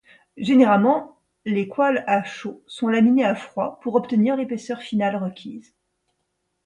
Généralement, les coils à chaud sont laminés à froid pour obtenir l'épaisseur finale requise.